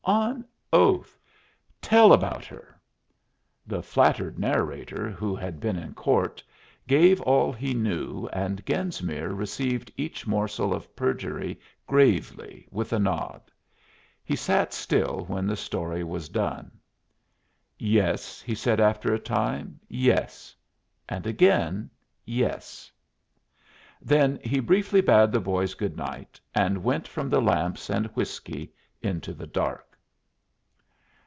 On oath! Tell about her." The flattered narrator, who had been in court, gave all he knew, and Genesmere received each morsel of perjury gravely with a nod. He sat still when the story was done. "Yes," he said, after a time. "Yes." And again, "Yes." Then he briefly bade the boys good night, and went out from the lamps and whiskey into the dark.